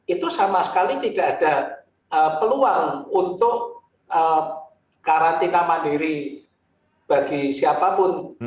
itu sama sekali tidak ada peluang untuk karantina mandiri bagi siapapun